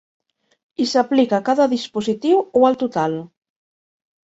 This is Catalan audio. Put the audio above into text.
I s'aplica a cada dispositiu o al total?